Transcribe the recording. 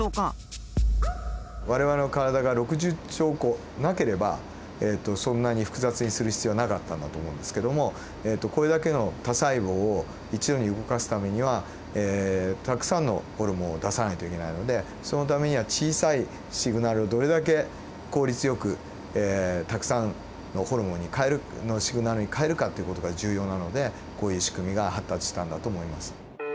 我々の体が６０兆個なければそんなに複雑にする必要はなかったんだと思うんですけどもこれだけの多細胞を一度に動かすためにはたくさんのホルモンを出さないといけないのでそのためには小さいシグナルをどれだけ効率よくたくさんのホルモンに変えるシグナルに変えるかっていう事が重要なのでこういう仕組みが発達したんだと思います。